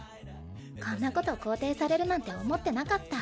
こんなこと肯定されるなんて思ってなかった。